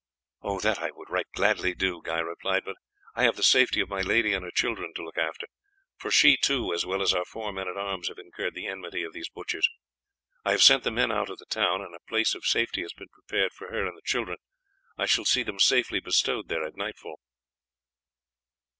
"That I would right gladly do," Guy replied, "but I have the safety of my lady and her children to look after, for she too, as well as our four men at arms, have incurred the enmity of these butchers. I have sent the men out of the town, and a place of safety has been prepared for her and the children. I shall see them safely bestowed there at nightfall."